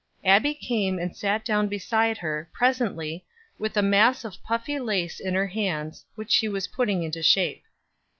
Abbie came and sat down beside her, presently, with a mass of puffy lace in her hands, which she was putting into shape.